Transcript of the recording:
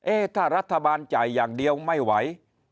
ถ้ารัฐบาลจ่ายอย่างเดียวไม่ไหว